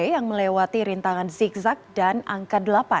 yang melewati rintangan zigzag dan angka delapan